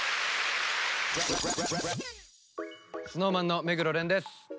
ＳｎｏｗＭａｎの目黒蓮です。